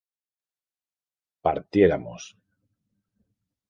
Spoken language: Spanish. partiéramos